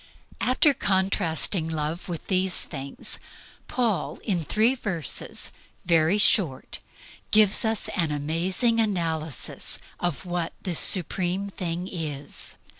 After contrasting Love with these things, Paul, in three verses, very short, gives us an amazing analysis of what this supreme thing is.